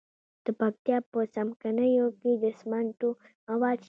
د پکتیا په څمکنیو کې د سمنټو مواد شته.